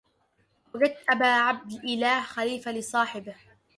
وجدت أبا عبد الإله خليفة لصاحبه